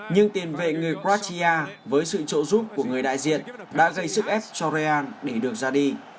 nhưng tiền vệ người croatia với sự trỗ giúp của người đại diện đã gây sức ép cho real để được ra đi